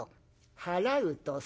払うとさ。